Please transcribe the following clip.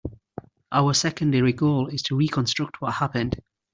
Our secondary goal is to reconstruct what happened.